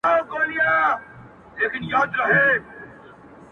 چي په پسي به زړه اچوې’